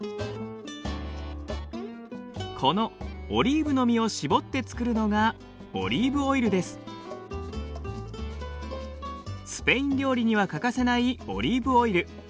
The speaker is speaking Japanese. このオリーブの実を搾って作るのがスペイン料理には欠かせないオリーブオイル。